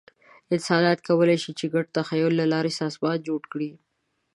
انسانان کولی شي، چې د ګډ تخیل له لارې سازمان جوړ کړي.